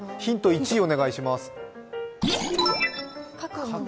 １お願いします。